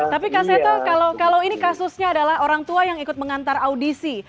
tapi kak seto kalau ini kasusnya adalah orang tua yang ikut mengantar audisi